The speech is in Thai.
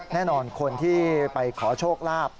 แน่นอนคนที่ไปขอโชคลาภ